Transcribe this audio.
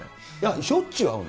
しょっちゅう会うんだ？